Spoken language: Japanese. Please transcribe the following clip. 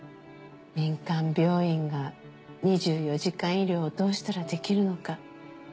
民間病院が２４時間医療をどうしたらできるのか。